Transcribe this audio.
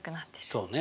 そうね。